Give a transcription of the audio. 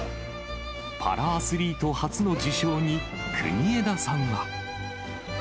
パラアスリート初の受賞に国枝さんは。